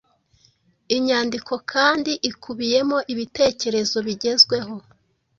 inyandiko kandi ikubiyemo ibitekerezo bigezweho